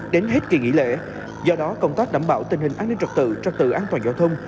đến hết kỳ nghỉ lễ do đó công tác đảm bảo tình hình an ninh trật tự trật tự an toàn giao thông